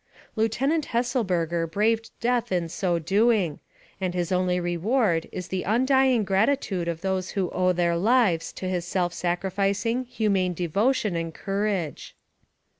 21 242 NAEKATIVE OF CAPTIVITY Lieutenant Hesselberger braved death in so doing, and his only reward is the undying gratitude of those who owe their lives to his self sacrificing, humane devotion and courage.